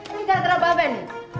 gak ada apa ben